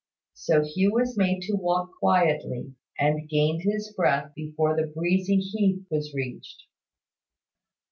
So Hugh was made to walk quietly, and gained his breath before the breezy heath was reached.